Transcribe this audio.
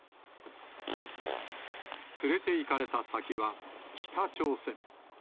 連れて行かれた先は北朝鮮。